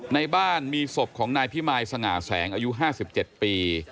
ในบ้านมีศพของนายพิมายสง่าแสงอายุ๕๗ปี